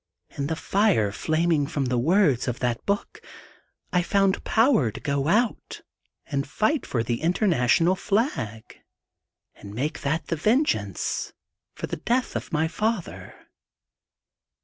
In the fire flaming from the words of that book, I found power to go out and fight for the International Flag, and make that the vengeance for the death of my father.